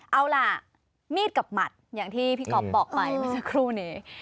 เอาล่ะมีดกับหมัดอย่างที่พี่ก๊อฟบอกไปเมื่อสักครู่นี้